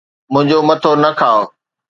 منھنجو مٿو نه کاءُ